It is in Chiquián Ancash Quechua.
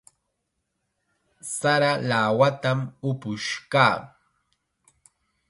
Sara lawatam upush kaa.